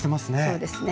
そうですね。